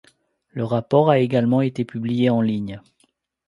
Le rapport a également été publié en ligne.